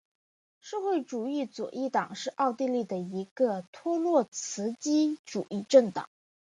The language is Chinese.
社会主义左翼党是奥地利的一个托洛茨基主义政党。